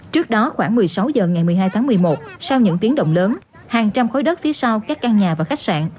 trước đó khoảng một mươi sáu h ngày một mươi hai tháng một mươi một sau những tiếng động lớn hàng trăm khối đất phía sau các căn nhà và khách sạn